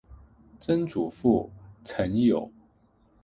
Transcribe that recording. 曾祖父陈友。